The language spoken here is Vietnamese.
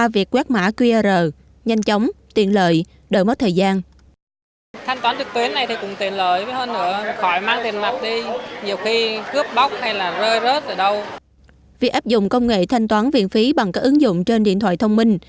việc áp dụng công nghệ thanh toán viện phí bằng các ứng dụng trên điện thoại thông minh